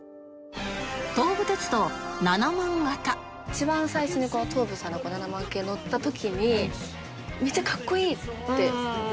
一番最初にこの東武さんの７００００型乗った時にめちゃかっこいいって思って。